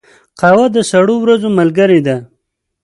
قهوه د سړو ورځو ملګرې ده